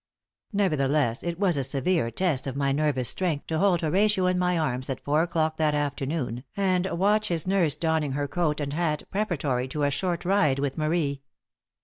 Nevertheless, it was a severe test of my nervous strength to hold Horatio in my arms at four o'clock that afternoon and watch his nurse donning her coat and hat preparatory to a short ride with Marie.